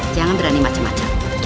jangan berani macam macam